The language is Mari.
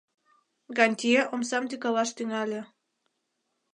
Гантье омсам тӱкалаш тӱҥале: